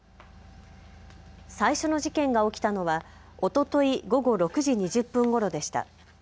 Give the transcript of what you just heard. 最初の事件が起きたのはおととい午後６時２０分ごろでした。